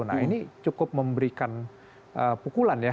nah ini cukup memberikan pukulan ya